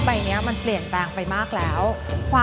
แต่พี่คิดว่าภาพรักษ์แบบนี้